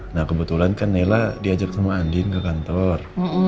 nah kebetulan kan naila diajak sama andien ke kantor